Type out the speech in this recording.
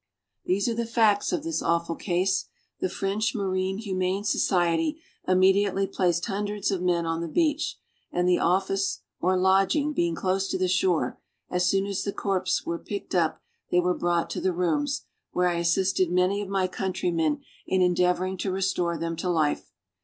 These are the facts of this awful case. The French Marine Humane Society immediately placed hundreds of men on the beach; and the office, or lodging, being close to the shore, as soon as the corpses were picked up they were brought to the rooms, where I assisted many of my countrymen in endeavoring to restore them to life.